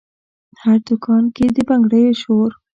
هر دکان کې د بنګړیو شور،